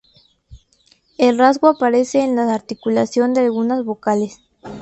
El rasgo aparece en la articulación de algunas vocales.